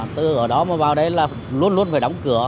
từ ở đó mà vào đây là luôn luôn phải đóng cửa